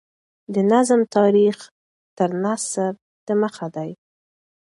د نظم تاریخ تر نثر دمخه دﺉ.